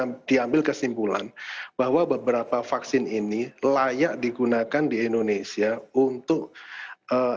yang sehingga diambil kesimpulan bahwa beberapa vaksin ini layak digunakan di indonesia untuk bchgb dua